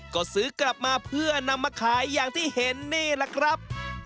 ก็ซื้อกลับมาเพื่อนำมาขายอย่างที่เห็นนี่แหละครับ